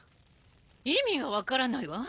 意味が分からないわ。